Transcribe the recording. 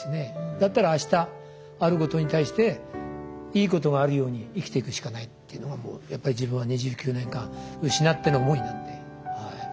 だったらあしたあることに対していいことがあるように生きていくしかないっていうのが自分は２９年間失っての思いなんで。